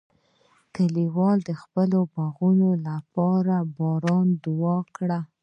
کلیوال د خپلو باغونو لپاره د باران دعا وکړه.